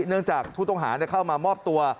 เนื่องจากผู้ต้องหาเข้ามามอบตัว